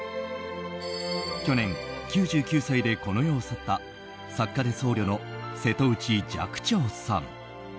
去年、９９歳でこの世を去った作家で僧侶の瀬戸内寂聴さん。